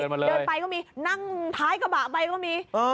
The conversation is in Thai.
เดินไปก็มีนั่งท้ายกระบะไปก็มี